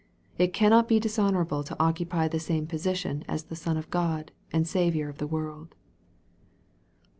It cannot be dishonorable to occupy the same position as the Son of God, and Saviour of the world.